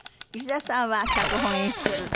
石田さんは脚本・演出。